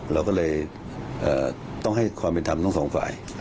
เราก็เลยต้องให้ความเป็นธรรมทั้งสองฝ่าย